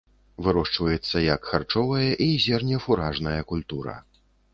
Вырошчваецца як харчовая і зернефуражная культура.